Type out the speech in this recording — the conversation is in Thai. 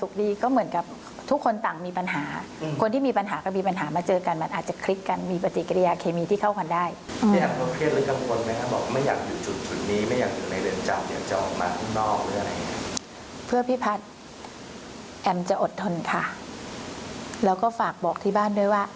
เพื่อพี่พัดแอมจะอดทนค่ะแล้วก็ฝากบอกที่บ้านด้วยว่า